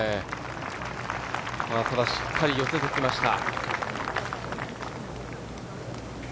ただ、しっかり寄せてきました。